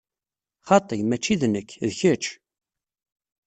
Xaṭi, mačči d nekk, d kečč!